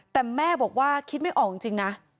แต่แม่บอกว่าคิดไม่ออกจริงนะ